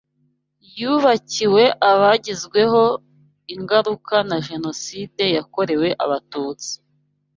yubakiwe abagizweho ingaruka na Jenoside yakorewe Abatutsi